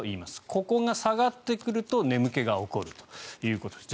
ここが下がってくると眠気が起こるということです。